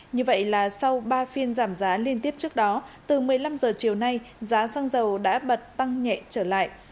như vậy là sau ba phiên giảm giá liên tiếp trước đó từ một mươi năm h chiều nay giá xăng dầu đã bật tăng nhẹ trở lại